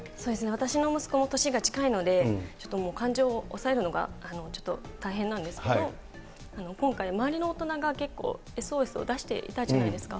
私の息子も年が近いので、ちょっともう、感情抑えるのがちょっと大変なんですけれども、今回、周りの大人が結構、ＳＯＳを出していたじゃないですか。